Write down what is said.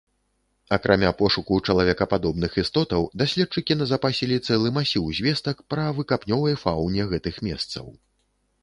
Акрамя пошуку чалавекападобных істотаў, даследчыкі назапасілі цэлы масіў звестак пра выкапнёвай фауне гэтых месцаў.